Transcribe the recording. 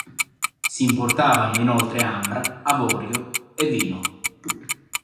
Si importavano inoltre ambra, avorio e vino.